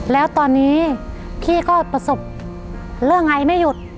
แล้วตอนนี้พี่ก็ประสบเรื่องไอไม่หยุด